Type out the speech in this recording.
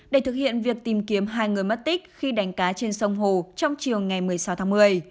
để thực hiện việc tìm kiếm hai người mất tích khi đánh cá trên sông hồ trong chiều ngày một mươi sáu tháng một mươi